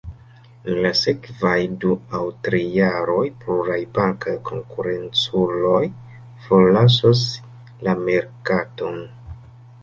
En la sekvaj du aŭ tri jaroj pluraj bankaj konkurenculoj forlasos la merkaton.